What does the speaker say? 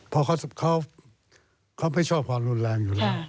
เพราะเขาไม่ชอบความรุนแรงอยู่แล้ว